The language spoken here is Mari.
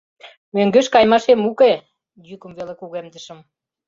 Мӧҥгеш кайымашем уке! — йӱкым веле кугемдышым.